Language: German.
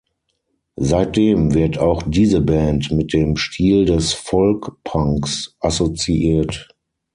Seitdem wird auch diese Band mit dem Stil des Folk-Punks assoziiert.